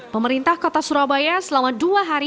pemerintah kota surabaya selama dua hari